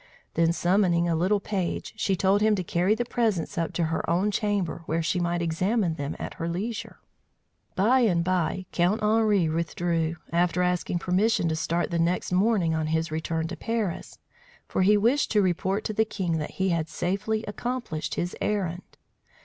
Then summoning a little page, she told him to carry the presents up to her own chamber, where she might examine them at her leisure. By and by, Count Henri withdrew, after asking permission to start the next morning on his return to Paris; for he wished to report to the king that he had safely accomplished his errand.